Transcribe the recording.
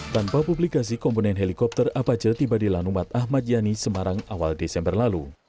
tanpa publikasi komponen helikopter apache tiba di lanumat ahmad yani semarang awal desember lalu